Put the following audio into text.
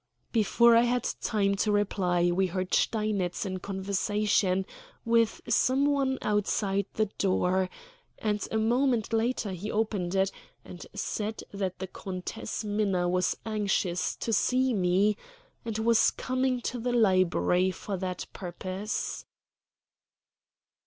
Before I had time to reply we heard Steinitz in conversation with some one outside the door, and a moment later he opened it, and said that the Countess Minna was anxious to see me, and was coming to the library for that purpose.